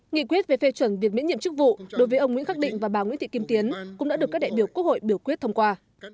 nghị quyết về phê chuẩn việc miễn nhiệm chức vụ đối với ông nguyễn khắc định và bà nguyễn thị kim tiến cũng đã được các đại biểu quốc hội biểu quyết thông qua